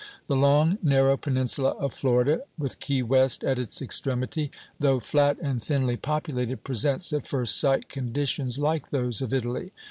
The long, narrow peninsula of Florida, with Key West at its extremity, though flat and thinly populated, presents at first sight conditions like those of Italy.